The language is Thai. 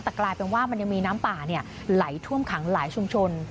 แต่กลายเป็นว่ามันยังมีน้ำป่าไหลท่วมขังหลายชุมชน